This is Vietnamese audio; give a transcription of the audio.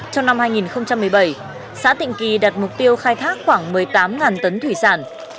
trong năm hai nghìn một mươi bảy xã tịnh kỳ đặt mục tiêu khai thác khoảng một mươi tám tấn thủy sản